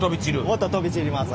もっと飛び散ります。